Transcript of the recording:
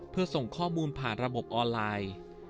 เพื่อส่งข้อมูลผ่านระบบออนไลน์